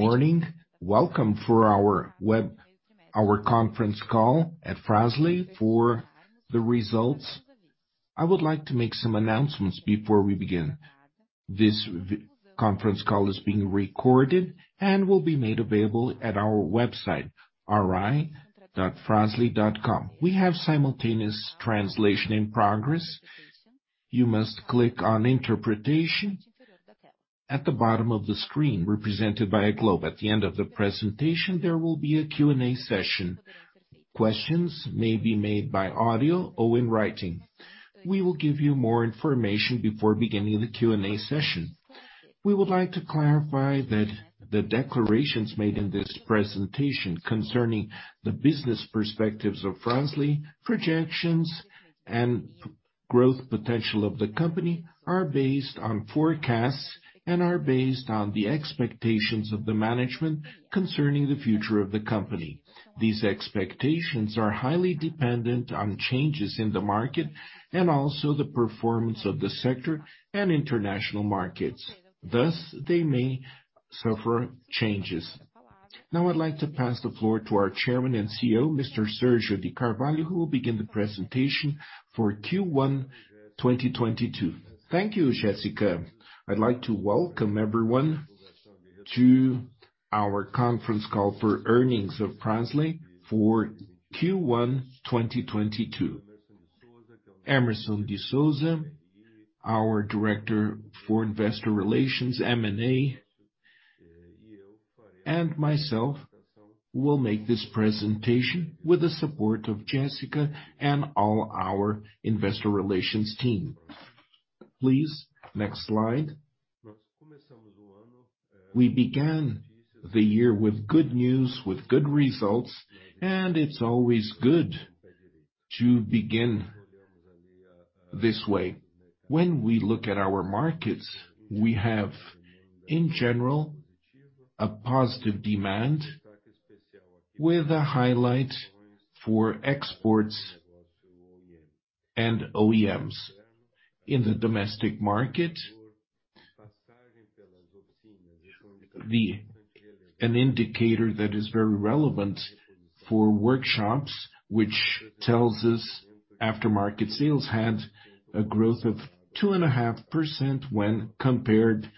Morning. Welcome to our conference call at Fras-le for the results. I would like to make some announcements before we begin. This web conference call is being recorded and will be made available at our website, ri.fras-le.com. We have simultaneous translation in progress. You must click on interpretation at the bottom of the screen represented by a globe. At the end of the presentation, there will be a Q&A session. Questions may be made by audio or in writing. We will give you more information before beginning the Q&A session. We would like to clarify that the declarations made in this presentation concerning the business perspectives of Fras-le, projections and growth potential of the company are based on forecasts and are based on the expectations of the management concerning the future of the company. These expectations are highly dependent on changes in the market and also the performance of the sector and international markets. Thus, they may suffer changes. Now I'd like to pass the floor to our Chairman and CEO, Mr. Sérgio de Carvalho, who will begin the presentation for Q1 2022. Thank you, Jessica. I'd like to welcome everyone to our conference call for earnings of Fras-le for Q1 2022. Hemerson de Souza, our Director for Investor Relations, M&A, and myself will make this presentation with the support of Jessica and all our investor relations team. Please, next slide. We began the year with good news, with good results, and it's always good to begin this way. When we look at our markets, we have, in general, a positive demand with a highlight for exports and OEMs. In the domestic market, an indicator that is very relevant for workshops, which tells us aftermarket sales had a growth of 2.5% when compared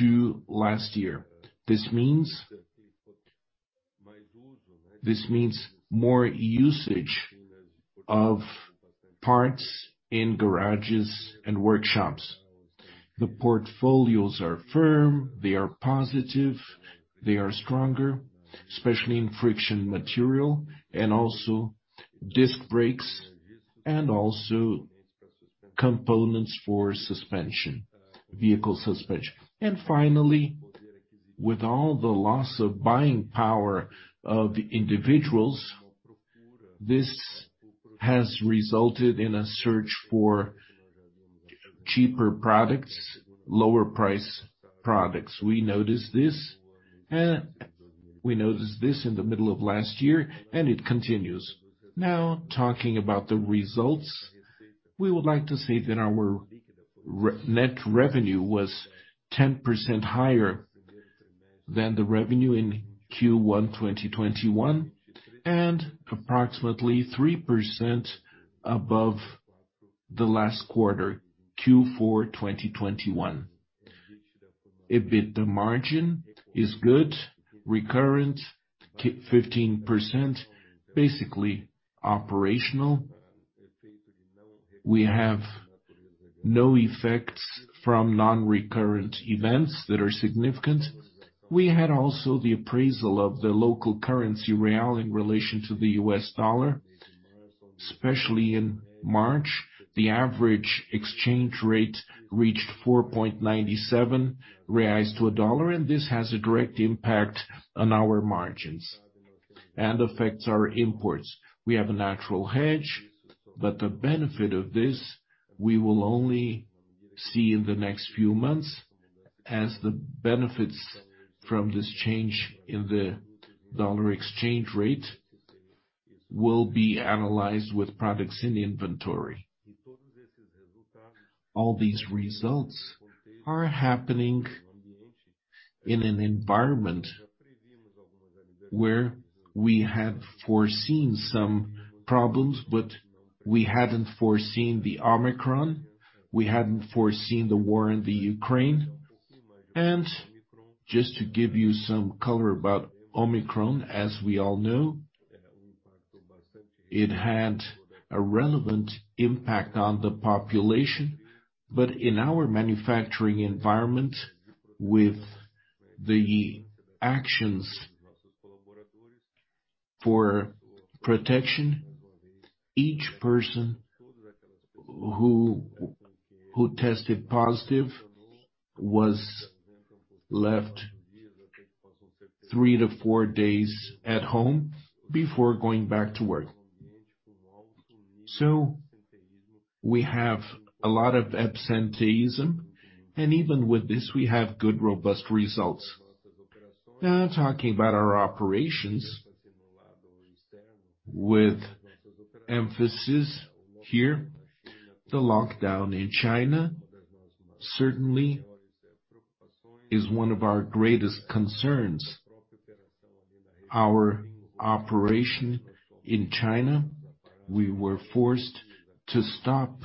to last year. This means more usage of parts in garages and workshops. The portfolios are firm, they are positive, they are stronger, especially in friction material and also disc brakes, and also components for suspension, vehicle suspension. Finally, with all the loss of buying power of the individuals, this has resulted in a search for cheaper products, lower price products. We noticed this in the middle of last year, and it continues. Now, talking about the results, we would like to say that our net revenue was 10% higher than the revenue in Q1 2021, and approximately 3% above the last quarter, Q4 2021. EBITDA margin is good, recurrent, 15%, basically operational. We have no effects from non-recurrent events that are significant. We had also the appreciation of the local currency real in relation to the US dollar, especially in March. The average exchange rate reached 4.97 reais to a dollar, and this has a direct impact on our margins and affects our imports. We have a natural hedge, but the benefit of this, we will only see in the next few months as the benefits from this change in the dollar exchange rate will be analyzed with products in the inventory. All these results are happening in an environment where we had foreseen some problems, but we hadn't foreseen the Omicron, we hadn't foreseen the war in the Ukraine. Just to give you some color about Omicron, as we all know, it had a relevant impact on the population. In our manufacturing environment with the actions for protection, each person who tested positive was left three to four days at home before going back to work. We have a lot of absenteeism, and even with this, we have good, robust results. Now, talking about our operations. With emphasis here, the lockdown in China certainly is one of our greatest concerns. Our operation in China, we were forced to stop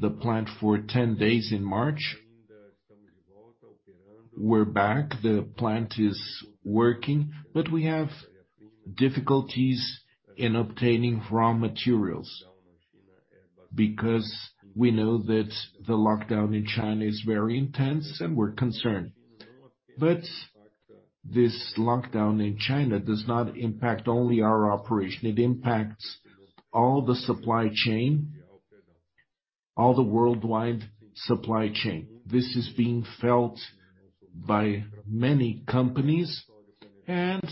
the plant for 10 days in March. We're back, the plant is working, but we have difficulties in obtaining raw materials because we know that the lockdown in China is very intense and we're concerned. This lockdown in China does not impact only our operation, it impacts all the supply chain, all the worldwide supply chain. This is being felt by many companies and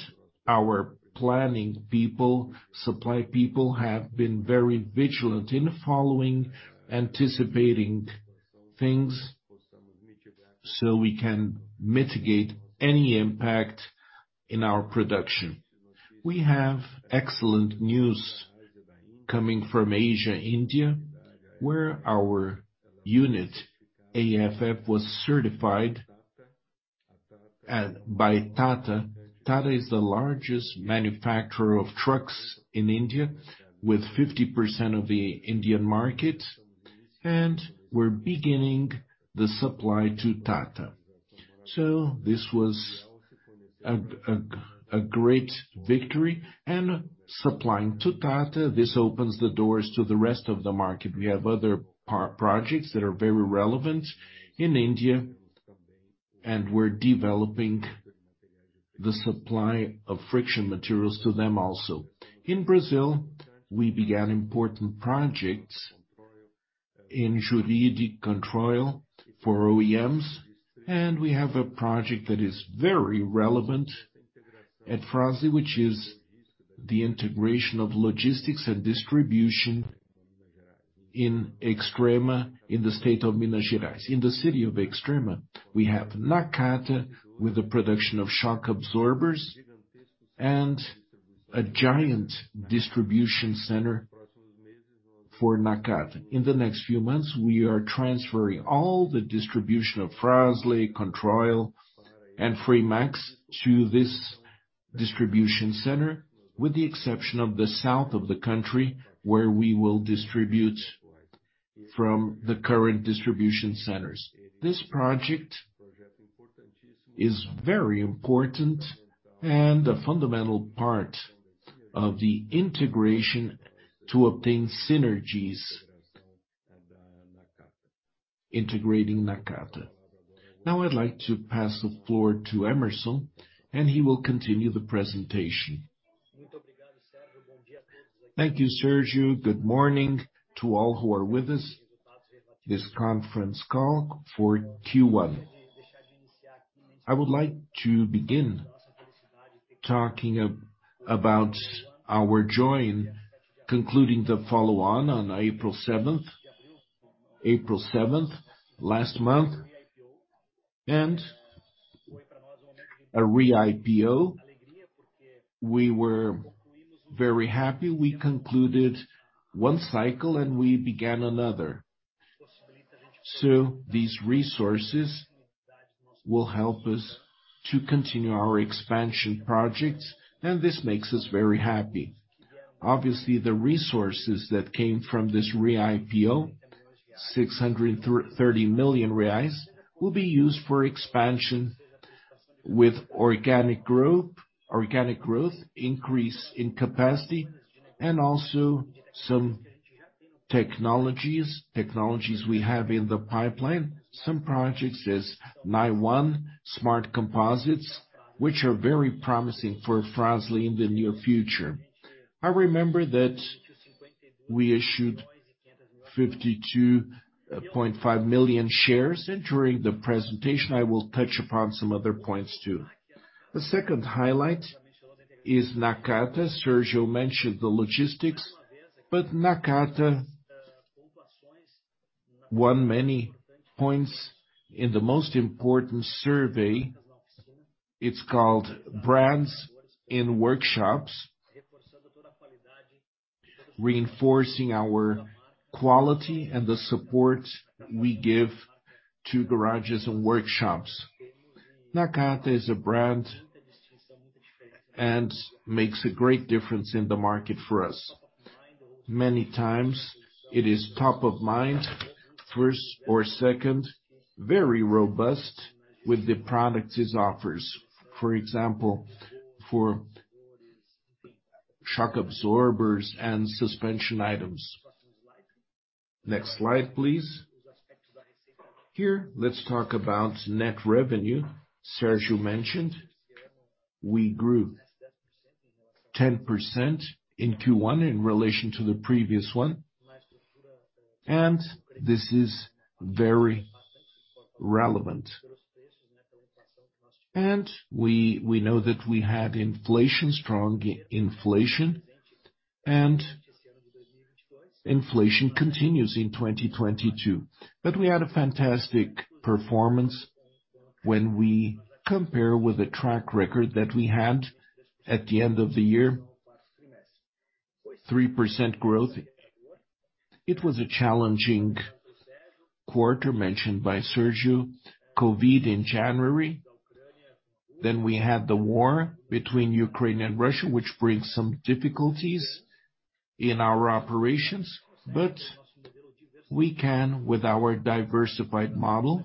our planning people, supply people have been very vigilant in following, anticipating things so we can mitigate any impact in our production. We have excellent news coming from Asia, India, where our unit, AFF, was certified by Tata. Tata is the largest manufacturer of trucks in India with 50% of the Indian market, and we're beginning the supply to Tata. This was a great victory. Supplying to Tata, this opens the doors to the rest of the market. We have other projects that are very relevant in India, and we're developing the supply of friction materials to them also. In Brazil, we began important projects in Jurid Controil for OEMs and we have a project that is very relevant at Fras-le, which is the integration of logistics and distribution in Extrema in the state of Minas Gerais. In the city of Extrema, we have Nakata with the production of shock absorbers and a giant distribution center for Nakata. In the next few months, we are transferring all the distribution of Fras-le, Controil and Fremax to this distribution center, with the exception of the south of the country where we will distribute from the current distribution centers. This project is very important and a fundamental part of the integration to obtain synergies integrating Nakata. Now I'd like to pass the floor to Hemerson and he will continue the presentation. Thank you, Sérgio. Good morning to all who are with us this conference call for Q1. I would like to begin talking about our joy in concluding the follow-on on April 7th, last month, and a re-IPO. We were very happy we concluded one cycle and we began another. These resources will help us to continue our expansion projects and this makes us very happy. Obviously, the resources that came from this re-IPO, 630 million reais, will be used for expansion with organic growth, increase in capacity and also some technologies we have in the pipeline. Some projects as NIONE, Smart Composites which are very promising for Fras-le in the near future. I remember that we issued 52.5 million shares and during the presentation I will touch upon some other points too. The second highlight is Nakata. Sérgio mentioned the logistics, but Nakata won many points in the most important survey. It's called Brands in Workshops, reinforcing our quality and the support we give to garages and workshops. Nakata is a brand and makes a great difference in the market for us. Many times it is top of mind first or second, very robust with the products it offers. For example, for shock absorbers and suspension items. Next slide please. Here let's talk about net revenue. Sérgio mentioned we grew 10% in Q1 in relation to the previous one and this is very relevant. We know that we had inflation, strong inflation and inflation continues in 2022. We had a fantastic performance when we compare with the track record that we had at the end of the year. 3% growth. It was a challenging quarter mentioned by Sérgio. COVID in January, then we had the war between Ukraine and Russia, which brings some difficulties in our operations. We can, with our diversified model,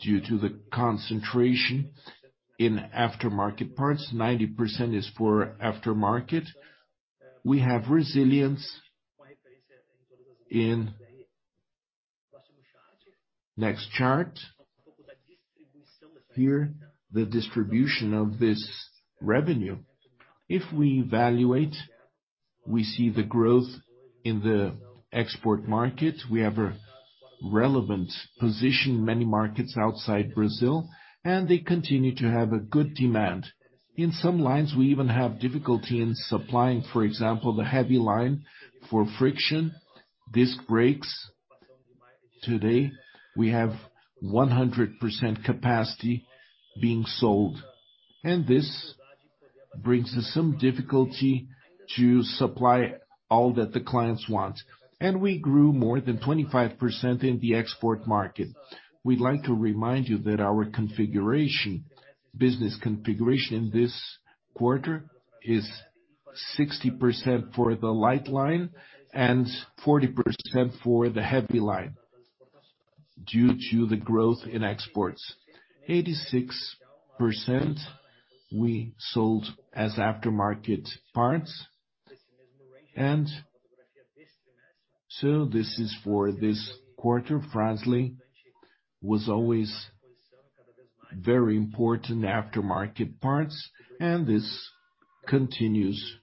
due to the concentration in aftermarket parts, 90% is for aftermarket. We have resilience. Next chart. Here, the distribution of this revenue. If we evaluate, we see the growth in the export market. We have a relevant position in many markets outside Brazil, and they continue to have a good demand. In some lines, we even have difficulty in supplying, for example, the heavy line for friction, disc brakes. Today, we have 100% capacity being sold, and this brings some difficulty to supply all that the clients want. We grew more than 25% in the export market. We'd like to remind you that our configuration, business configuration in this quarter is 60% for the light line and 40% for the heavy line due to the growth in exports. 86% we sold as aftermarket parts. This is for this quarter. Fras-le was always very important aftermarket parts, and this continues.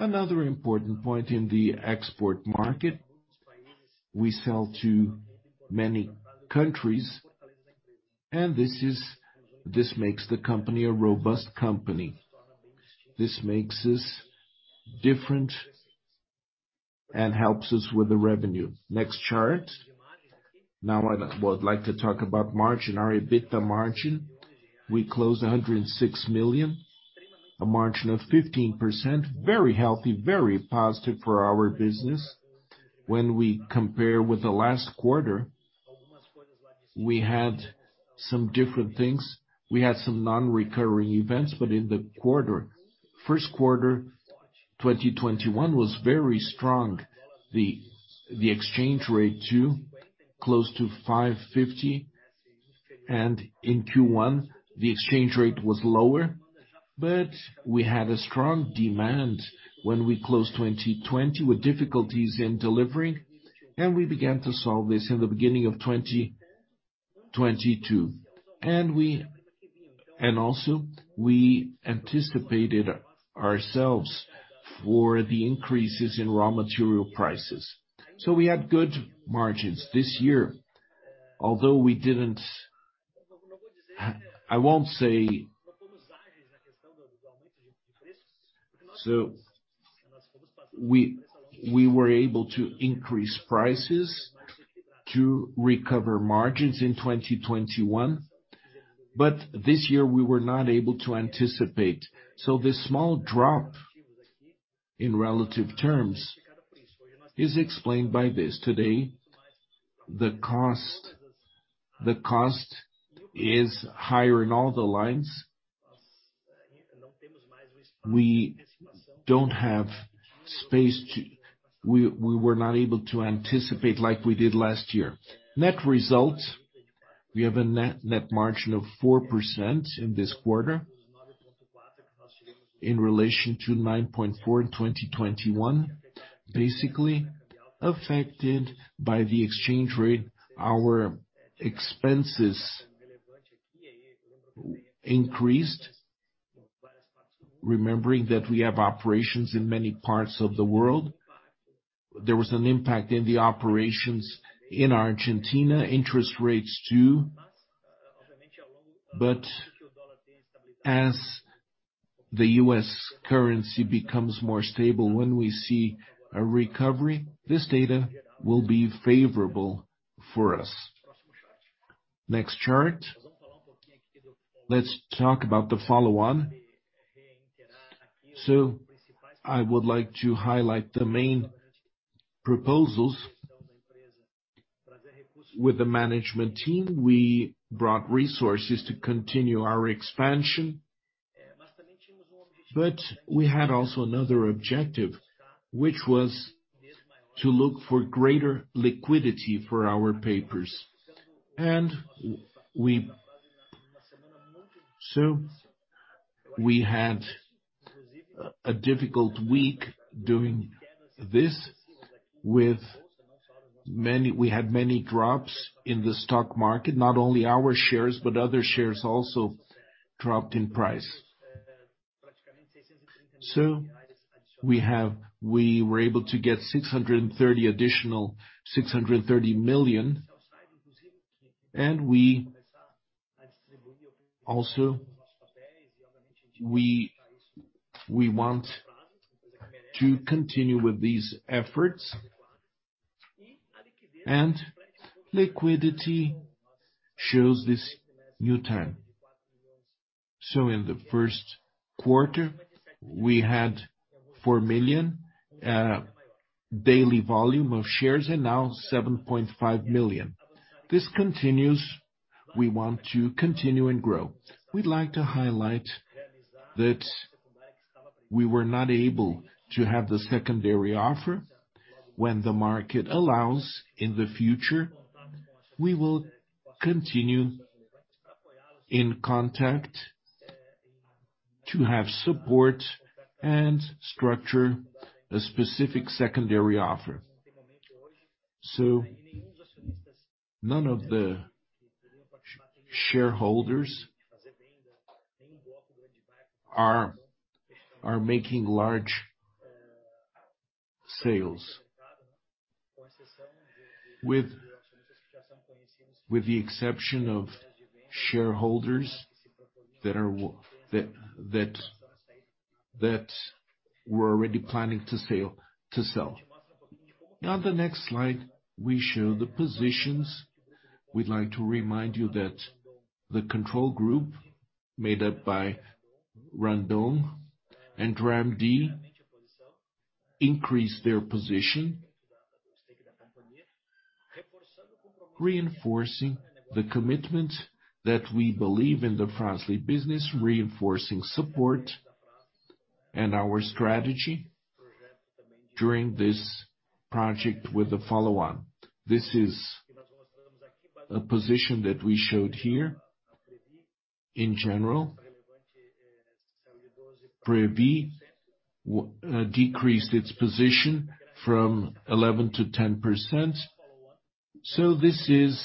Another important point in the export market, we sell to many countries, and this makes the company a robust company. This makes us different and helps us with the revenue. Next chart. Now, I would like to talk about margin, our EBITDA margin. We closed 106 million, a margin of 15%. Very healthy, very positive for our business. When we compare with the last quarter, we had some different things. We had some non-recurring events, but in the quarter, Q1 2021 was very strong. The exchange rate too, close to 5.50. In Q1, the exchange rate was lower, but we had a strong demand when we closed 2020 with difficulties in delivering, and we began to solve this in the beginning of 2022. We also anticipated ourselves for the increases in raw material prices. We had good margins this year. Although we didn't. We were able to increase prices to recover margins in 2021. This year we were not able to anticipate. This small drop in relative terms is explained by this. Today, the cost is higher in all the lines. We don't have space to. We were not able to anticipate like we did last year. Net results, we have a net margin of 4% in this quarter in relation to 9.4% in 2021, basically affected by the exchange rate. Our expenses increased, remembering that we have operations in many parts of the world. There was an impact in the operations in Argentina, interest rates too. As the US currency becomes more stable, when we see a recovery, this data will be favorable for us. Next chart. Let's talk about the follow-on. I would like to highlight the main proposals. With the management team, we brought resources to continue our expansion. We had also another objective, which was to look for greater liquidity for our papers. We had a difficult week doing this. We had many drops in the stock market, not only our shares, but other shares also dropped in price. We were able to get 630 million additional, and we also want to continue with these efforts and liquidity shows this new term. In the Q1 we had 4 million daily volume of shares and now 7.5 million. This continues. We want to continue and grow. We'd like to highlight that we were not able to have the secondary offer when the market allows. In the future, we will continue in contact to have support and structure a specific secondary offer. None of the shareholders are making large sales. With the exception of shareholders that were already planning to sell. On the next slide, we show the positions. We'd like to remind you that the control group made up by Randon and Dramd increased their position. Reinforcing the commitment that we believe in the Fras-le business, reinforcing support and our strategy during this project with the follow-on. This is a position that we showed here in general. Previ increased its position from 11%-10%.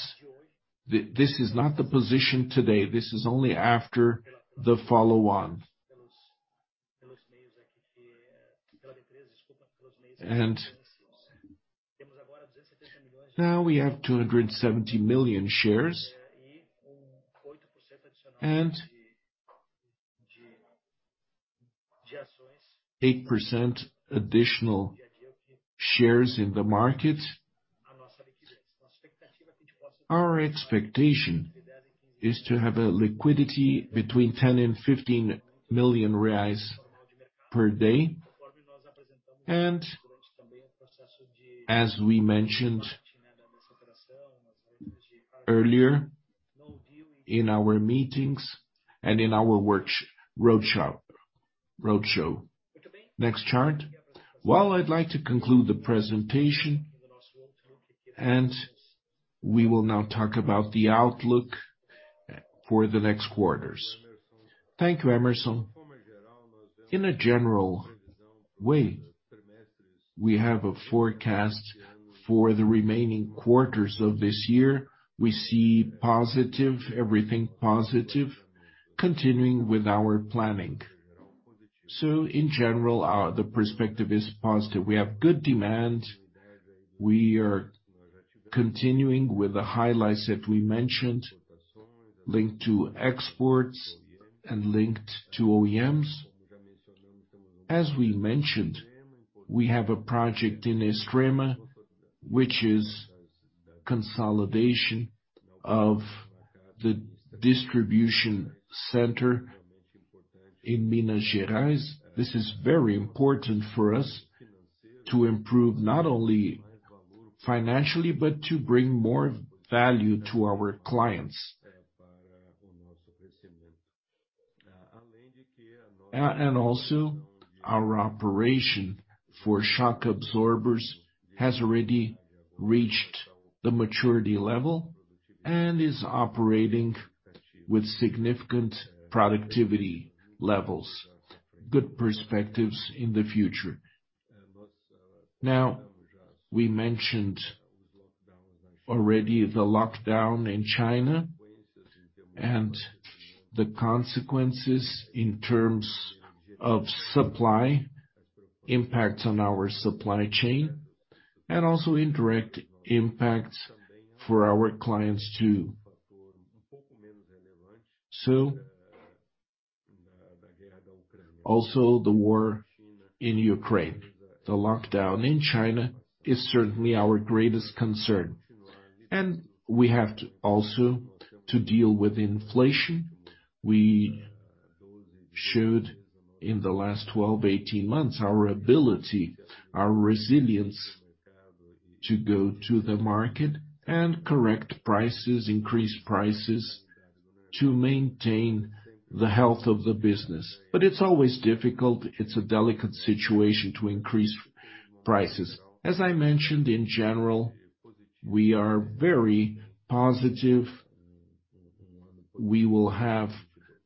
This is not the position today, this is only after the follow-on. Now we have 270 million shares and 8% additional shares in the market. Our expectation is to have a liquidity between 10-15 million reais per day. As we mentioned earlier in our meetings and in our roadshow. Next chart. Well, I'd like to conclude the presentation and we will now talk about the outlook for the next quarters. Thank you, Hemerson. In a general way, we have a forecast for the remaining quarters of this year. We see positive, everything positive continuing with our planning. In general, the perspective is positive. We have good demand. We are continuing with the highlights that we mentioned, linked to exports and linked to OEMs. As we mentioned, we have a project in Extrema, which is consolidation of the distribution center in Minas Gerais. This is very important for us to improve not only financially, but to bring more value to our clients. And also our operation for shock absorbers has already reached the maturity level and is operating with significant productivity levels, good perspectives in the future. Now, we mentioned already the lockdown in China and the consequences in terms of supply impacts on our supply chain and also indirect impacts for our clients too. Also the war in Ukraine. The lockdown in China is certainly our greatest concern, and we have to also deal with inflation. We showed in the last 12, 18 months our ability, our resilience to go to the market and correct prices, increase prices to maintain the health of the business. It's always difficult, it's a delicate situation to increase prices. As I mentioned, in general, we are very positive. We will have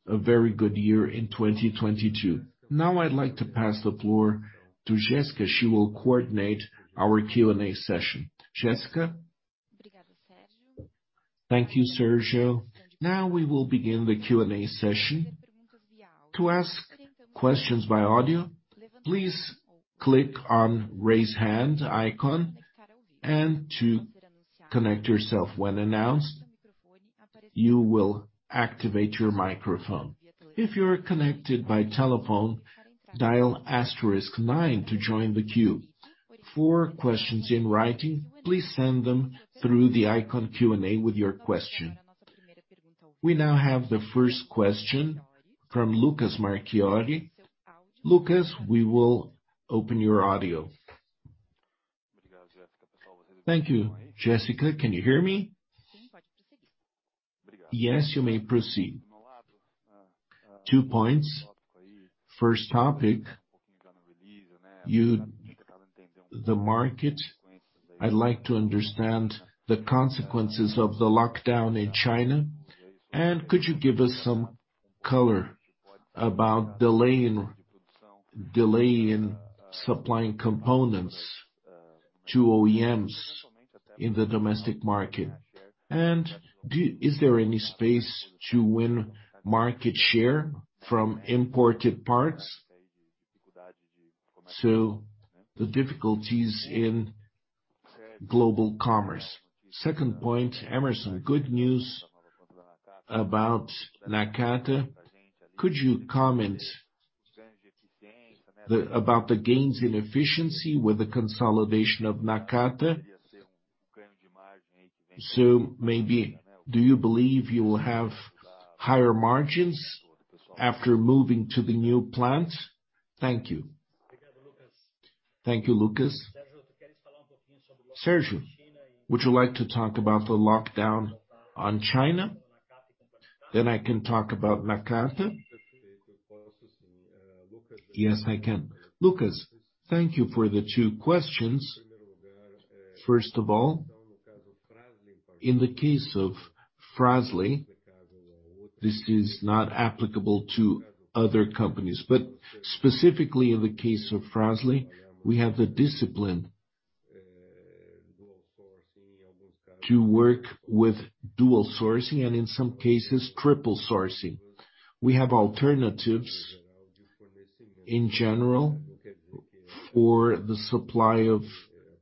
a very good year in 2022. Now I'd like to pass the floor to Jessica. She will coordinate our Q&A session. Jessica. Thank you, Sérgio. Now we will begin the Q&A session. To ask questions by audio, please click on raise hand icon and to connect yourself when announced, you will activate your microphone. If you're connected by telephone, dial asterisk nine to join the queue. For questions in writing, please send them through the Q&A icon with your question. We now have the first question from Lucas Marquiori. Lucas, we will open your audio. Thank you, Jessica. Can you hear me? Yes, you may proceed. Two points. First topic, the market. I'd like to understand the consequences of the lockdown in China, and could you give us some color about delay in supplying components to OEMs in the domestic market? Is there any space to win market share from imported parts? The difficulties in global commerce. Second point, Hemerson, good news about Nakata. Could you comment about the gains in efficiency with the consolidation of Nakata? Maybe do you believe you will have higher margins after moving to the new plant? Thank you. Thank you, Lucas. Sérgio, would you like to talk about the lockdown in China? Then I can talk about Nakata. Yes, I can. Lucas, thank you for the two questions. First of all, in the case of Fras-le, this is not applicable to other companies. Specifically in the case of Fras-le, we have the discipline to work with dual sourcing and in some cases, triple sourcing. We have alternatives in general for the supply of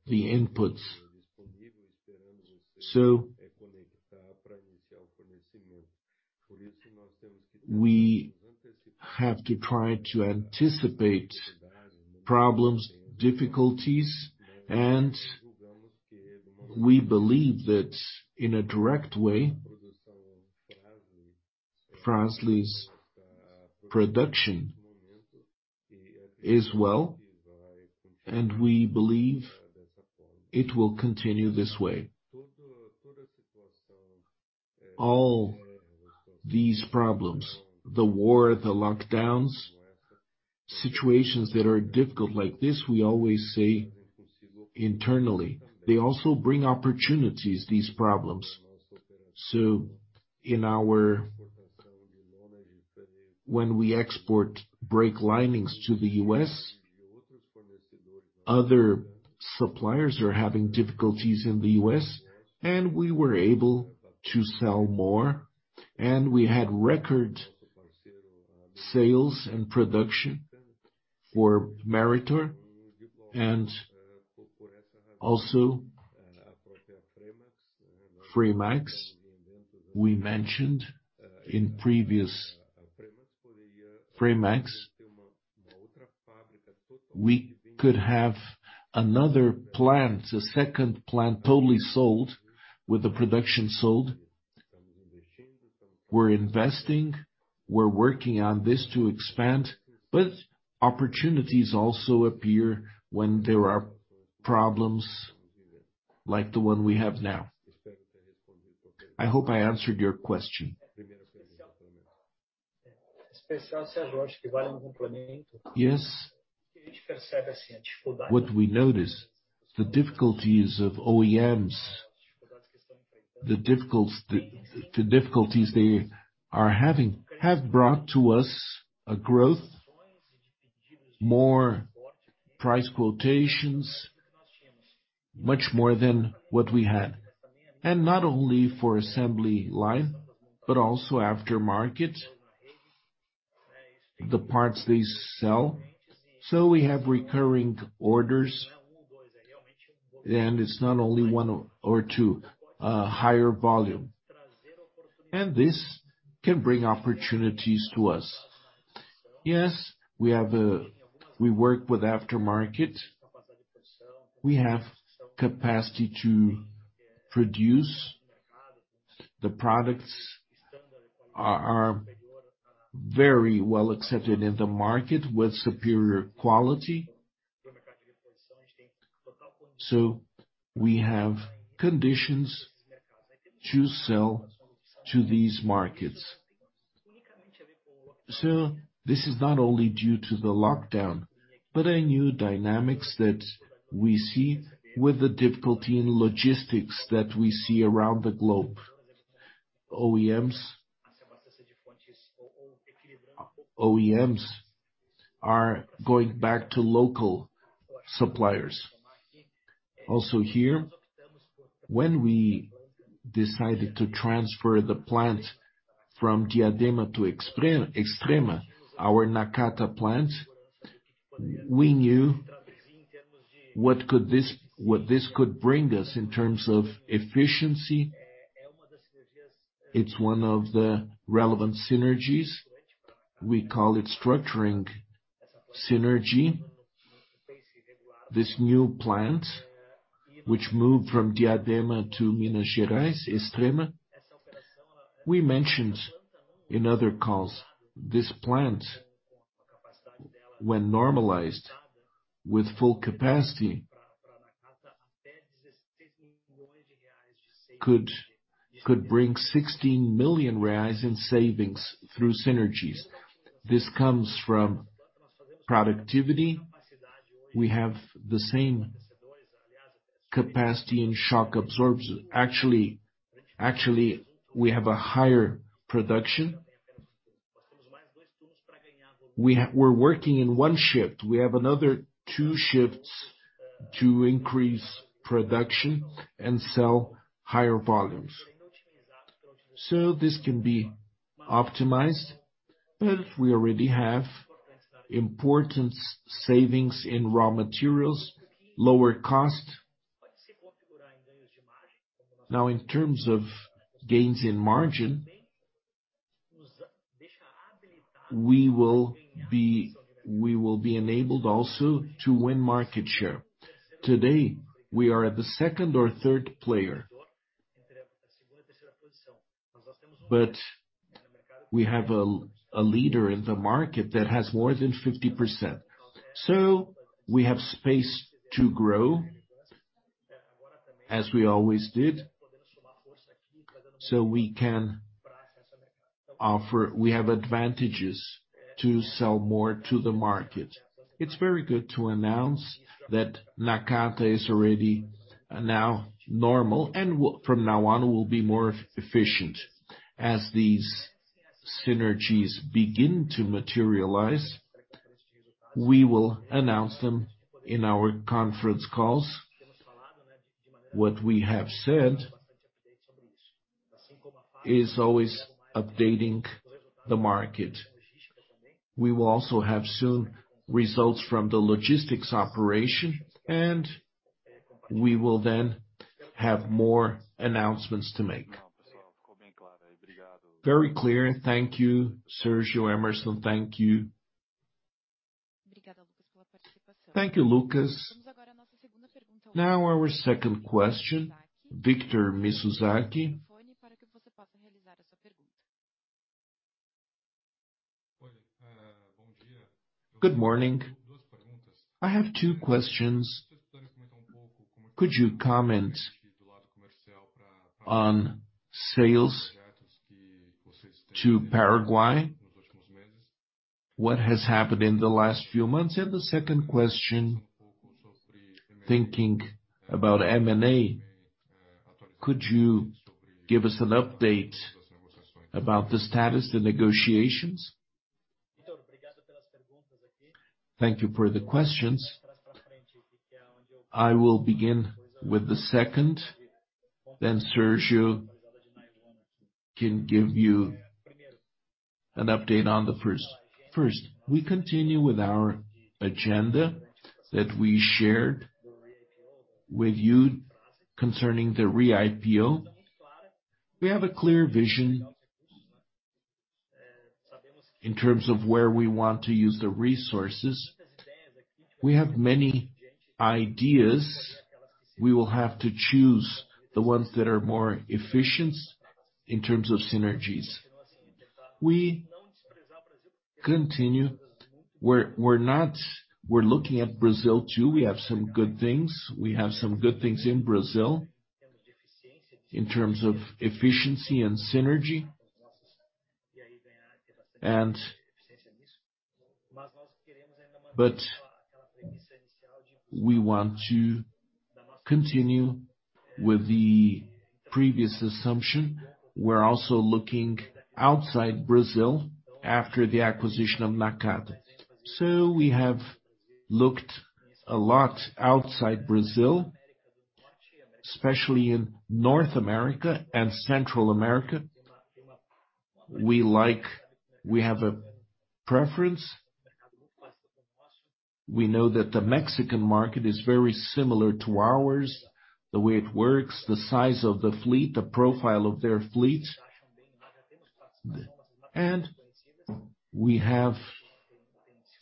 the inputs. We have to try to anticipate problems, difficulties, and we believe that in a direct way, Fras-le's production is well, and we believe it will continue this way. All these problems, the war, the lockdowns, situations that are difficult like this, we always say internally. They also bring opportunities, these problems. When we export brake linings to the U.S., other suppliers are having difficulties in the U.S., and we were able to sell more, and we had record sales and production for Meritor, and also, Fremax. We mentioned in previous Fremax, we could have another plant, a second plant totally sold with the production sold. We're investing, we're working on this to expand, but opportunities also appear when there are problems like the one we have now. I hope I answered your question. Yes. What we notice, the difficulties of OEMs, the difficulties they are having have brought to us a growth, more price quotations, much more than what we had. Not only for assembly line, but also aftermarket, the parts they sell. We have recurring orders, and it's not only one or two, higher volume. This can bring opportunities to us. Yes, we work with aftermarket. We have capacity to produce. The products are very well accepted in the market with superior quality. We have conditions to sell to these markets. This is not only due to the lockdown, but a new dynamics that we see with the difficulty in logistics that we see around the globe. OEMs are going back to local suppliers. Also here, when we decided to transfer the plant from Diadema to Extrema, our Nakata plant, we knew what this could bring us in terms of efficiency. It's one of the relevant synergies. We call it structuring synergy. This new plant which moved from Diadema to Minas Gerais, Extrema. We mentioned in other calls, this plant when normalized with full capacity could bring 16 million reais in savings through synergies. This comes from productivity. We have the same capacity and shock absorbers. Actually, we have a higher production. We're working in one shift. We have another two shifts to increase production and sell higher volumes. This can be optimized, but we already have important savings in raw materials, lower cost. Now in terms of gains in margin, we will be enabled also to win market share. Today, we are at the second or third player. We have a leader in the market that has more than 50%. We have space to grow as we always did, so we can offer. We have advantages to sell more to the market. It's very good to announce that Nakata is already now normal and from now on, will be more efficient. As these synergies begin to materialize, we will announce them in our conference calls. What we have said is always updating the market. We will also have soon results from the logistics operation, and we will then have more announcements to make. Very clear. Thank you, Sérgio. Hemerson, thank you. Thank you, Lucas. Now our second question, Victor Mizusaki. Good morning. I have two questions. Could you comment on sales to Paraguay? What has happened in the last few months? And the second question, thinking about M&A, could you give us an update about the status, the negotiations? Thank you for the questions. I will begin with the second, then Sérgio can give you an update on the first. First, we continue with our agenda that we shared with you concerning the re-IPO. We have a clear vision in terms of where we want to use the resources. We have many ideas. We will have to choose the ones that are more efficient in terms of synergies. We continue. We're looking at Brazil too. We have some good things in Brazil in terms of efficiency and synergy. We want to continue with the previous assumption. We're also looking outside Brazil after the acquisition of Nakata. We have looked a lot outside Brazil, especially in North America and Central America. We have a preference. We know that the Mexican market is very similar to ours, the way it works, the size of the fleet, the profile of their fleets. We have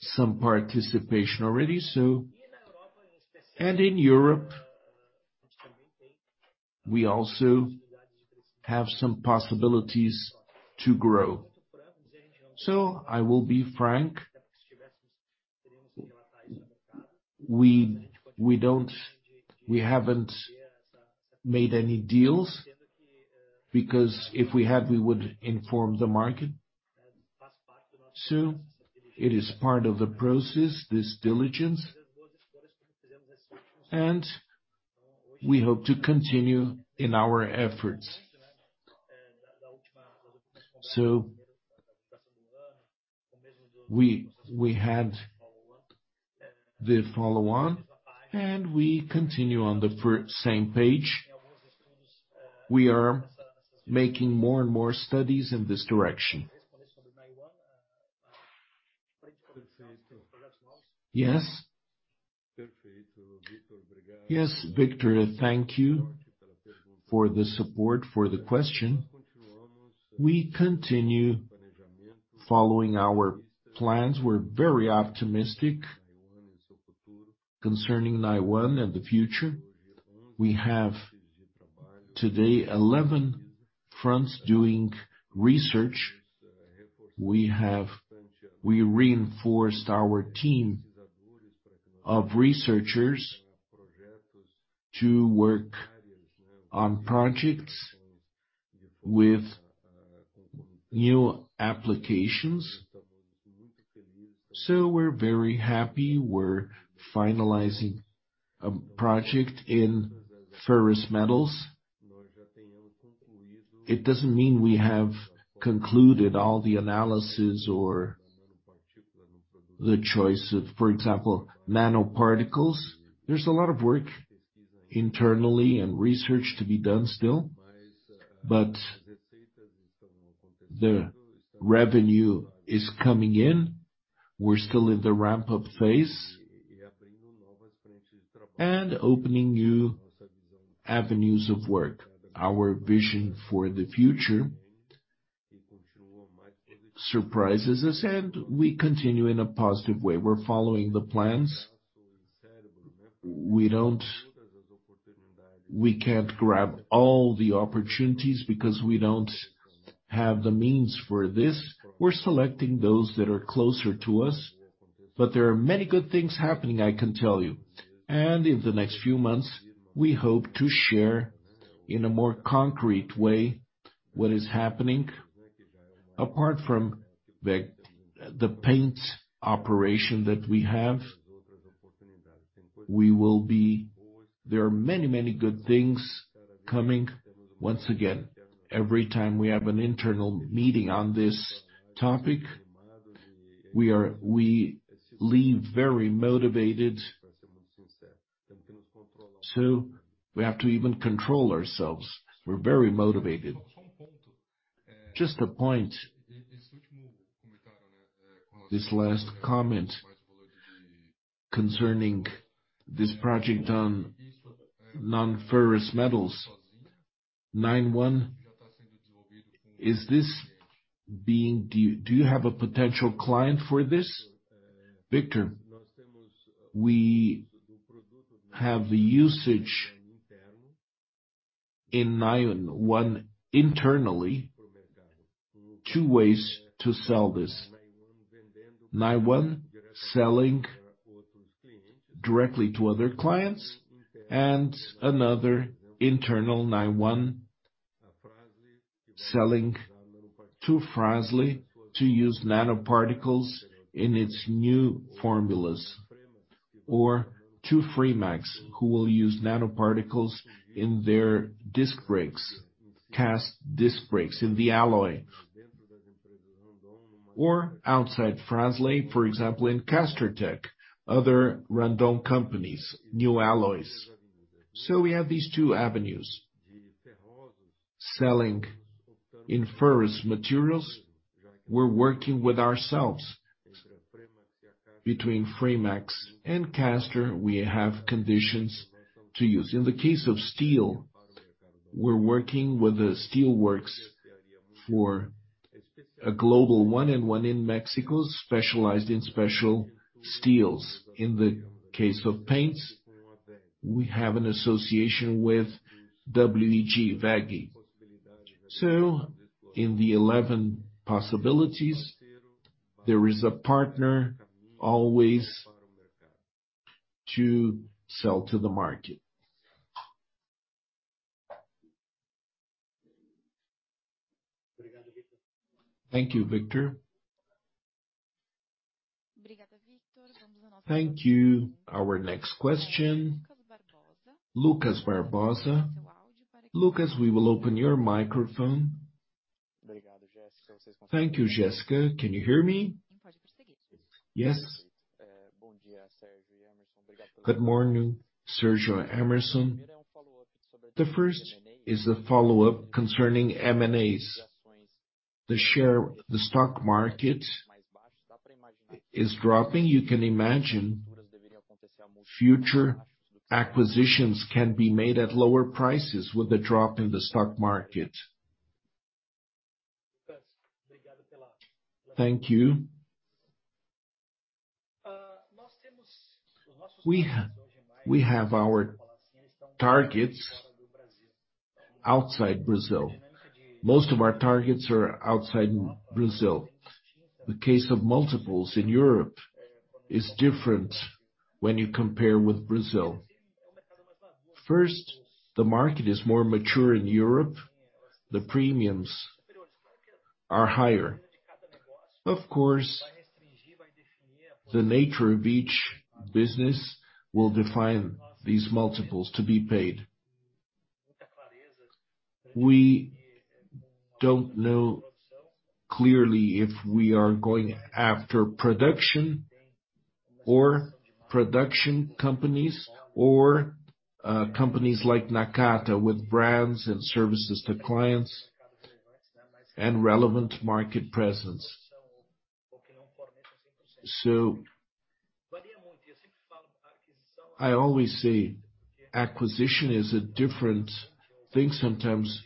some participation already, so. In Europe, we also have some possibilities to grow. I will be frank. We haven't made any deals because if we had, we would inform the market. It is part of the process, this diligence. We hope to continue in our efforts. We had the follow-on and we continue on the same page. We are making more and more studies in this direction. Yes. Yes, Victor, thank you for the support, for the question. We continue following our plans. We're very optimistic concerning NIONE and the future. We have today 11 fronts doing research. We reinforced our team of researchers to work on projects with new applications. We're very happy we're finalizing a project in ferrous metals. It doesn't mean we have concluded all the analysis or the choice of, for example, nanoparticles. There's a lot of work internally and research to be done still, but the revenue is coming in. We're still in the ramp-up phase and opening new avenues of work. Our vision for the future surprises us and we continue in a positive way. We're following the plans. We can't grab all the opportunities because we don't have the means for this. We're selecting those that are closer to us, but there are many good things happening, I can tell you. In the next few months, we hope to share in a more concrete way what is happening. Apart from the paint operation that we have, there are many, many good things coming. Once again, every time we have an internal meeting on this topic, we leave very motivated. We have to even control ourselves. We're very motivated. Just a point. This last comment concerning this project on non-ferrous metals. NIONE, do you have a potential client for this? Victor, we have the usage in NIONE internally. Two ways to sell this. NIONE selling directly to other clients and another internal NIONE selling to Fras-le to use nanoparticles in its new formulas, or to Fremax, who will use nanoparticles in their disc brakes, cast disc brakes in the alloy. Outside Fras-le, for example, in Castertech, other Randon companies, new alloys. We have these two avenues. Selling in ferrous materials, we're working with ourselves. Between Fremax and Caster, we have conditions to use. In the case of steel, we're working with the steelworks for a global one and one in Mexico specialized in special steels. In the case of paints, we have an association with WEG. In the 11 possibilities, there is a partner always to sell to the market. Thank you, Victor. Thank you. Our next question, Lucas Barbosa. Lucas, we will open your microphone. Thank you, Jessica. Can you hear me? Yes. Good morning, Sérgio and Hemerson. The first is a follow-up concerning M&As. The stock market is dropping. You can imagine future acquisitions can be made at lower prices with the drop in the stock market. Thank you. We have our targets outside Brazil. Most of our targets are outside Brazil. The case of multiples in Europe is different when you compare with Brazil. First, the market is more mature in Europe, the premiums are higher. Of course. The nature of each business will define these multiples to be paid. We don't know clearly if we are going after production or production companies or companies like Nakata with brands and services to clients and relevant market presence. I always say acquisition is a different thing. Sometimes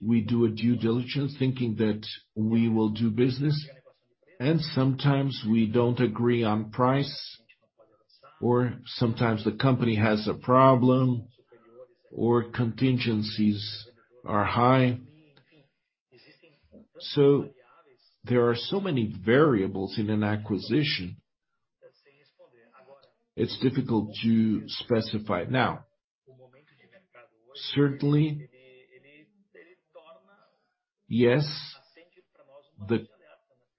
we do a due diligence thinking that we will do business and sometimes we don't agree on price or sometimes the company has a problem or contingencies are high. There are so many variables in an acquisition. It's difficult to specify. Now, certainly, yes, the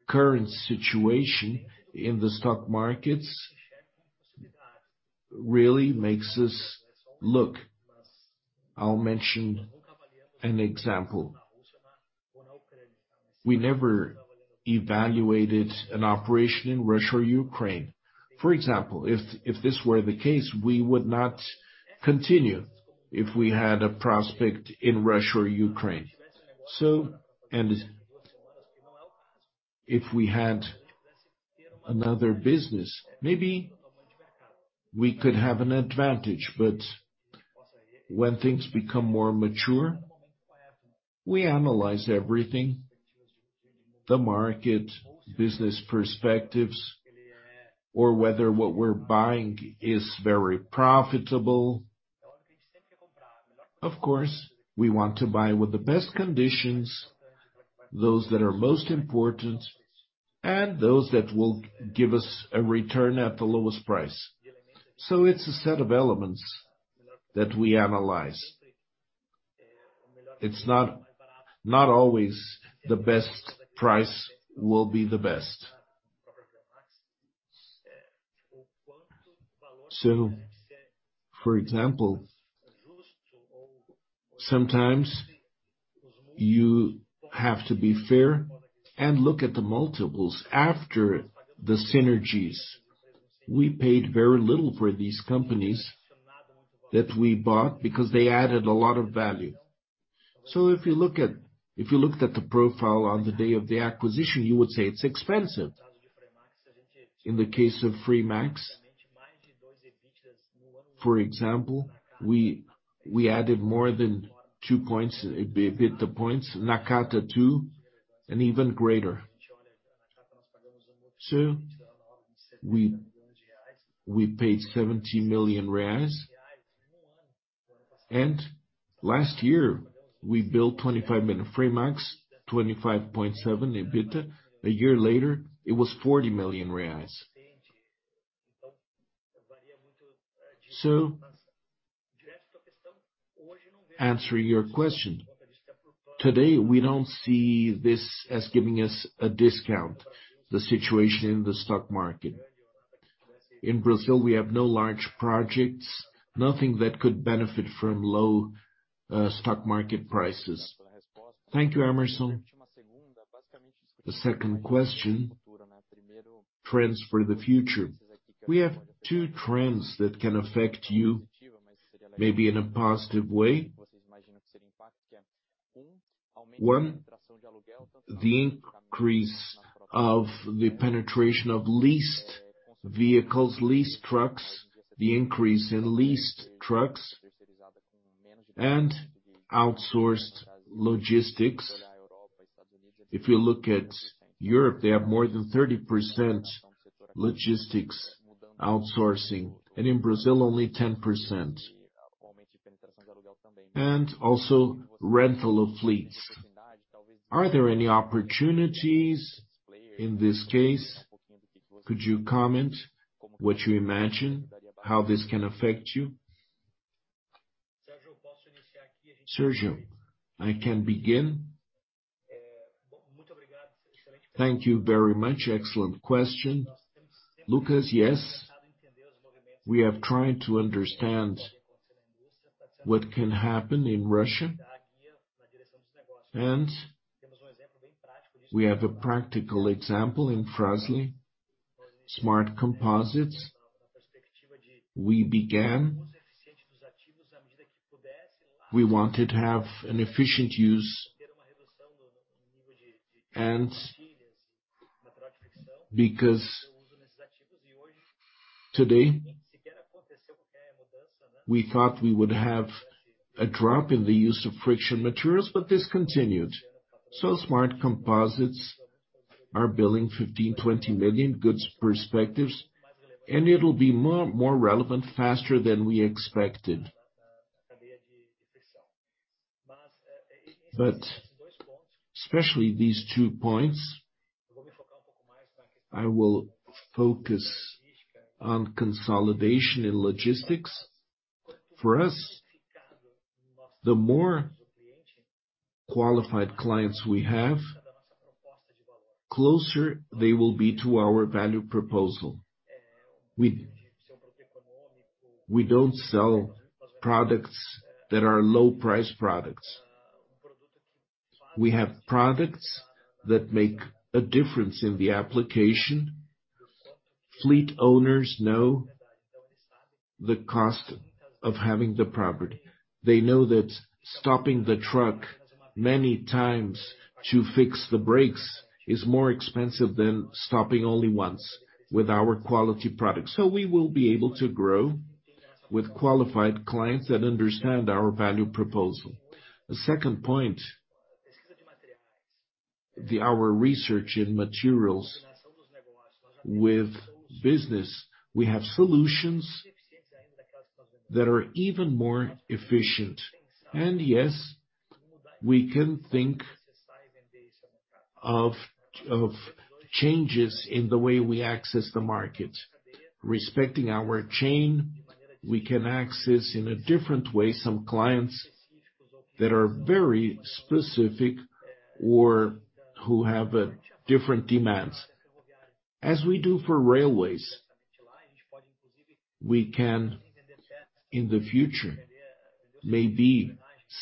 current situation in the stock markets really makes us look. I'll mention an example. We never evaluated an operation in Russia or Ukraine. For example, if this were the case, we would not continue if we had a prospect in Russia or Ukraine. And if we had another business, maybe we could have an advantage. But when things become more mature, we analyze everything, the market, business perspectives, or whether what we're buying is very profitable. Of course, we want to buy with the best conditions, those that are most important and those that will give us a return at the lowest price. It's a set of elements that we analyze. It's not always the best price will be the best. For example, sometimes you have to be fair and look at the multiples after the synergies. We paid very little for these companies that we bought because they added a lot of value. If you looked at the profile on the day of the acquisition, you would say it's expensive. In the case of Fremax, for example, we added more than 2 EBITDA points. Nakata too, and even greater. We paid 70 million reais. Last year we built 25 million Fremax, 25.7 EBITDA. A year later, it was 40 million reais. Answering your question, today, we don't see this as giving us a discount, the situation in the stock market. In Brazil, we have no large projects, nothing that could benefit from low stock market prices. Thank you, Hemerson. The second question, trends for the future. We have two trends that can affect you maybe in a positive way. One, the increase of the penetration of leased vehicles, leased trucks, the increase in leased trucks, and outsourced logistics. If you look at Europe, they have more than 30% logistics outsourcing, and in Brazil, only 10%. Also rental of fleets. Are there any opportunities in this case? Could you comment what you imagine, how this can affect you? Sérgio, I can begin. Thank you very much. Excellent question. Lucas, yes. We have tried to understand what can happen in Russia. We have a practical example in Fras-le Smart Composites. We wanted to have an efficient use and because today we thought we would have a drop in the use of friction materials, but this continued. Smart Composites are billing 15 million-20 million. Good perspectives, and it'll be more relevant faster than we expected. Especially these two points, I will focus on consolidation in logistics. For us, the more qualified clients we have, closer they will be to our value proposal. We don't sell products that are low price products. We have products that make a difference in the application. Fleet owners know the cost of having the property. They know that stopping the truck many times to fix the brakes is more expensive than stopping only once with our quality product. We will be able to grow with qualified clients that understand our value proposal. The second point, our research in materials with business. We have solutions that are even more efficient. Yes, we can think of changes in the way we access the market. Respecting our chain, we can access, in a different way, some clients that are very specific or who have different demands. As we do for railways, we can, in the future, maybe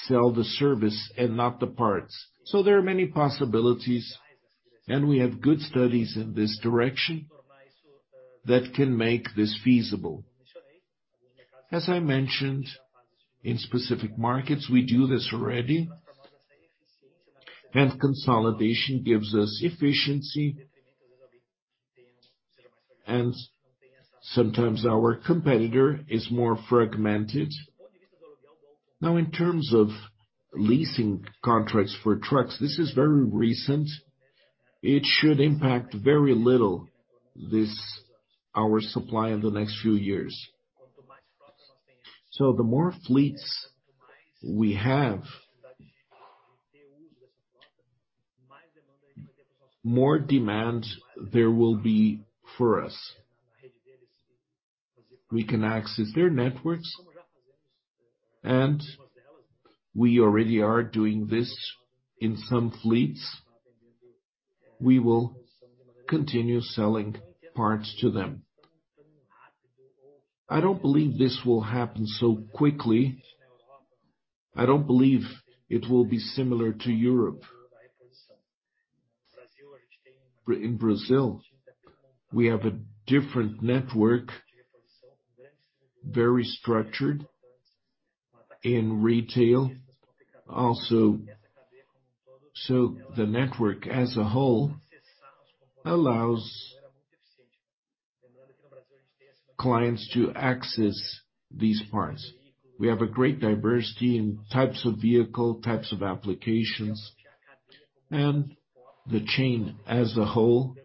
sell the service and not the parts. There are many possibilities, and we have good studies in this direction that can make this feasible. As I mentioned, in specific markets, we do this already and consolidation gives us efficiency and sometimes our competitor is more fragmented. Now in terms of leasing contracts for trucks, this is very recent. It should impact very little this, our supply in the next few years. The more fleets we have, more demand there will be for us. We can access their networks, and we already are doing this in some fleets. We will continue selling parts to them. I don't believe this will happen so quickly. I don't believe it will be similar to Europe. In Brazil, we have a different network, very structured in retail also. The network as a whole allows clients to access these parts. We have a great diversity in types of vehicle, types of applications, and the chain as a whole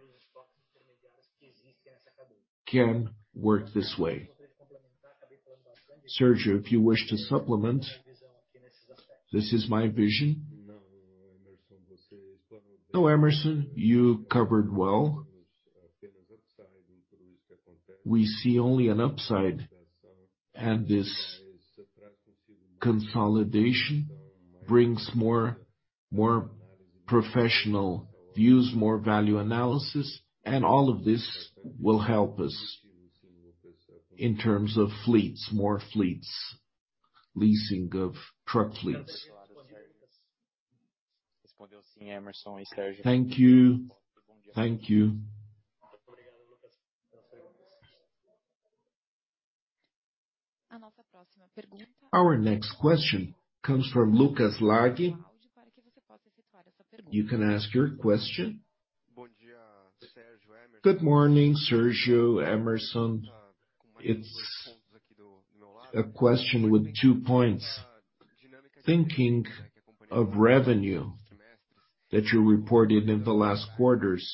can work this way. Sérgio, if you wish to supplement. This is my vision. No, Hemerson, you covered well. We see only an upside, and this consolidation brings more professional views, more value analysis, and all of this will help us in terms of fleets, more fleets, leasing of truck fleets. Thank you. Thank you. Our next question comes from Lucas Laghi. You can ask your question. Good morning, Sérgio, Hemerson. It's a question with two points. Thinking of revenue that you reported in the last quarters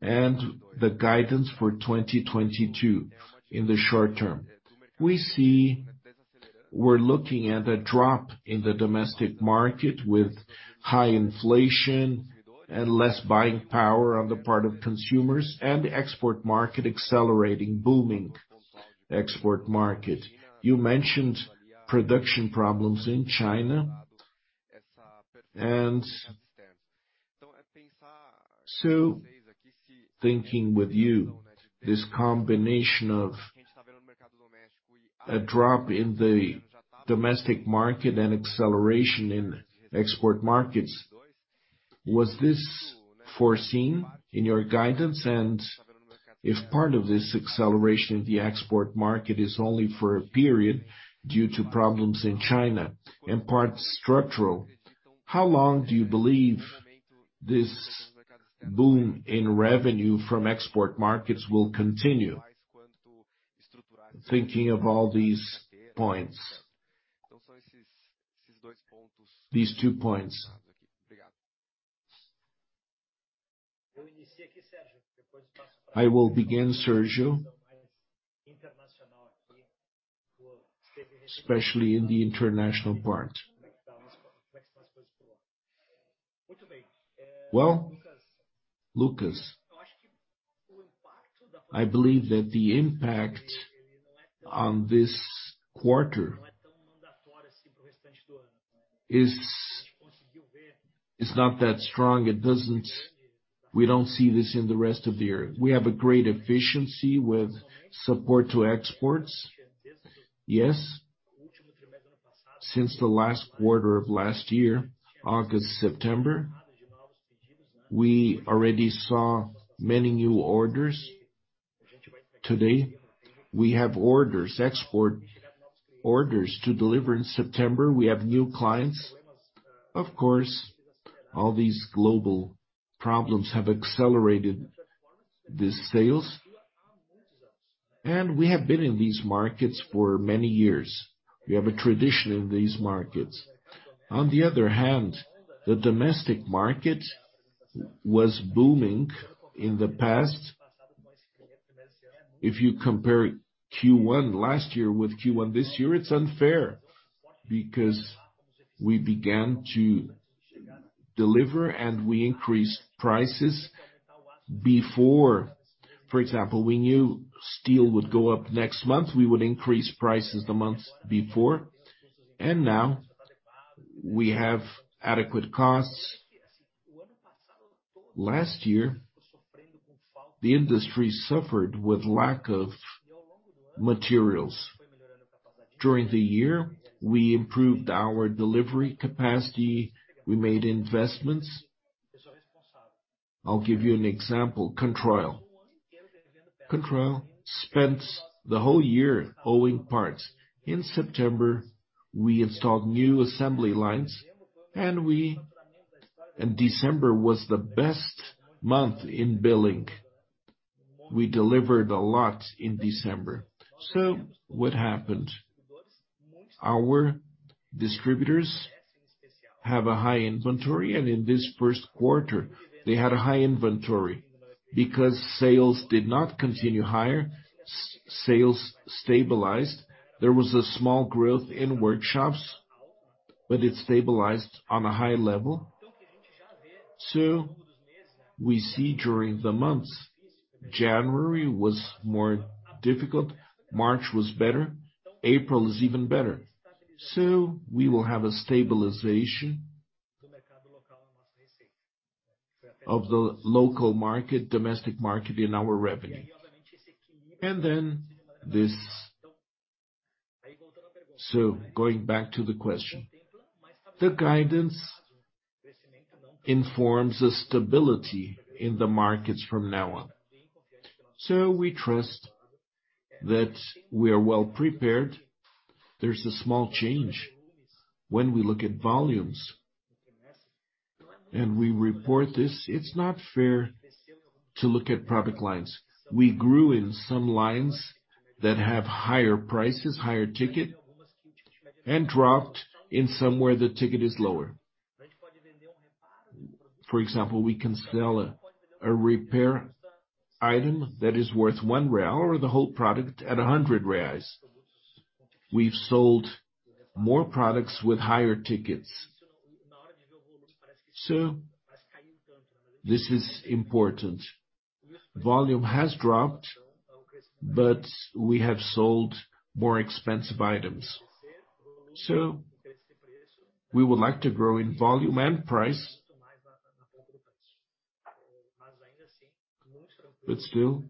and the guidance for 2022 in the short term. We see we're looking at a drop in the domestic market with high inflation and less buying power on the part of consumers and export market accelerating, booming export market. You mentioned production problems in China. Thinking with you, this combination of a drop in the domestic market and acceleration in export markets, was this foreseen in your guidance? If part of this acceleration in the export market is only for a period due to problems in China and part structural, how long do you believe this boom in revenue from export markets will continue? Thinking of all these points. These two points. I will begin, Sérgio. Especially in the international part. Well, Lucas, I believe that the impact on this quarter is, it's not that strong. We don't see this in the rest of the year. We have a great efficiency with support to exports. Yes. Since the last quarter of last year, August, September, we already saw many new orders. Today, we have orders, export orders to deliver in September. We have new clients. Of course, all these global problems have accelerated the sales. We have been in these markets for many years. We have a tradition in these markets. On the other hand, the domestic market was booming in the past. If you compare Q1 last year with Q1 this year, it's unfair because we began to deliver, and we increased prices before. For example, we knew steel would go up next month, we would increase prices the month before. Now we have adequate costs. Last year, the industry suffered with lack of materials. During the year, we improved our delivery capacity, we made investments. I'll give you an example, Controil. Controil spent the whole year owing parts. In September, we installed new assembly lines, December was the best month in billing. We delivered a lot in December. What happened? Our distributors have a high inventory, and in this Q1, they had a high inventory because sales did not continue higher. Sales stabilized. There was a small growth in workshops, but it stabilized on a high level. We see during the months, January was more difficult, March was better, April is even better. We will have a stabilization of the local market, domestic market in our revenue. Going back to the question, the guidance informs the stability in the markets from now on. We trust that we are well prepared. There's a small change when we look at volumes and we report this, it's not fair to look at product lines. We grew in some lines that have higher prices, higher ticket and dropped in somewhere the ticket is lower. For example, we can sell a repair item that is worth 1 real or the whole product at 100 reais. We've sold more products with higher tickets. This is important. Volume has dropped, but we have sold more expensive items. We would like to grow in volume and price. Still,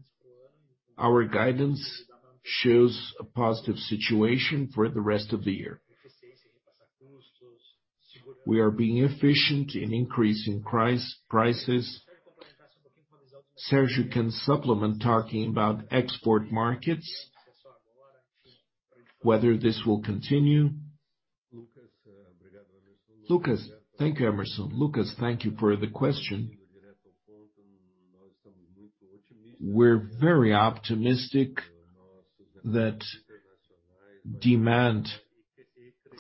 our guidance shows a positive situation for the rest of the year. We are being efficient in increasing prices. Sérgio can supplement talking about export markets, whether this will continue. Lucas. Thank you, Hemerson. Lucas, thank you for the question. We're very optimistic that demand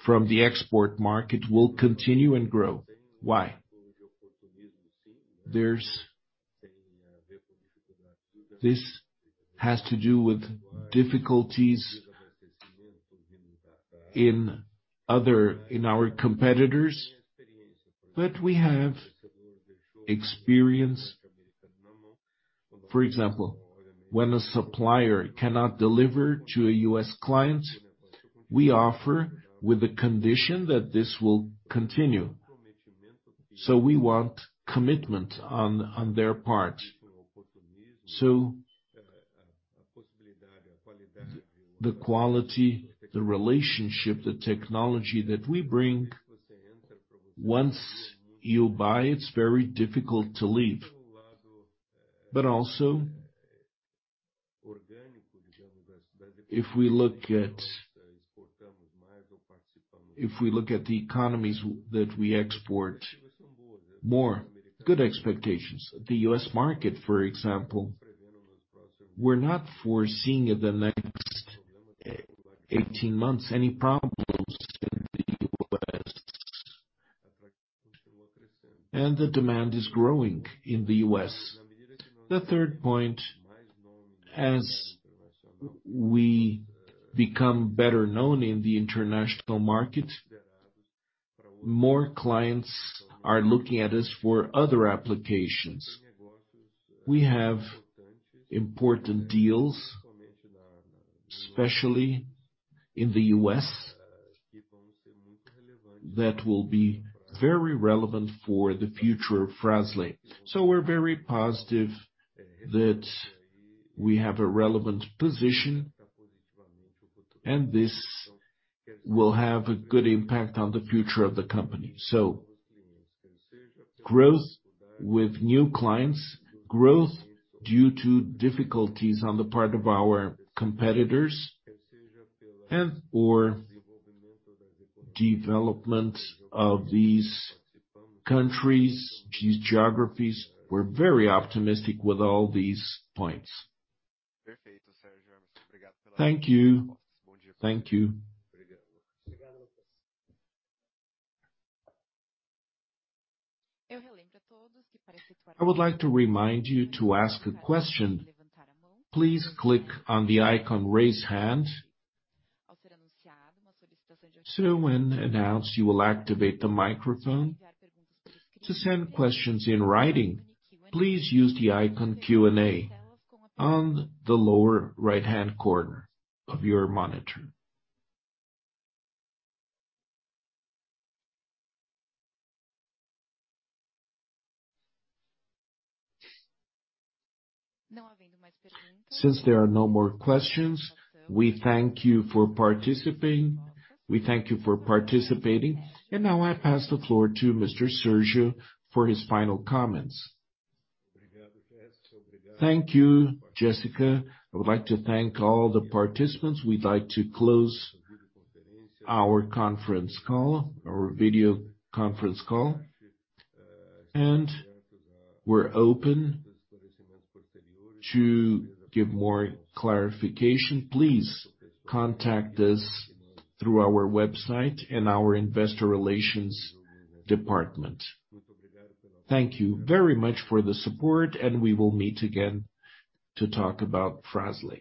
from the export market will continue and grow. Why? This has to do with difficulties in our competitors, but we have experience. For example, when a supplier cannot deliver to a U.S. client, we offer with the condition that this will continue. We want commitment on their part. The quality, the relationship, the technology that we bring, once you buy it's very difficult to leave. Also, if we look at the economies that we export more, good expectations. The US market, for example, we're not foreseeing in the next 18 months any problems in the U.S.. The demand is growing in the U.S.. The third point, as we become better known in the international market. More clients are looking at us for other applications. We have important deals, especially in the U.S., that will be very relevant for the future of Fras-le. We're very positive that we have a relevant position, and this will have a good impact on the future of the company. Growth with new clients, growth due to difficulties on the part of our competitors, and/or development of these countries, these geographies. We're very optimistic with all these points. Thank you. Thank you. I would like to remind you, to ask a question, please click on the icon, Raise Hand. When announced, you will activate the microphone. To send questions in writing, please use the icon Q&A on the lower right-hand corner of your monitor. Since there are no more questions, we thank you for participating, and now I pass the floor to Mr. Sérgio for his final comments. Thank you, Jessica. I would like to thank all the participants. We'd like to close our conference call, our video conference call, and we're open to give more clarification. Please contact us through our website and our investor relations department. Thank you very much for the support, and we will meet again to talk about Fras-le.